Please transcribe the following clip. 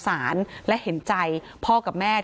การแก้เคล็ดบางอย่างแค่นั้นเอง